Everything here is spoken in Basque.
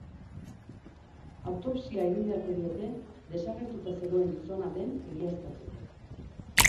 Autopsia egin beharko diote, desagertuta zegoen gizona den egiaztatzeko.